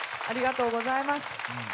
ありがとうございます。